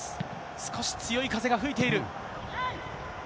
少し強い風が吹いている。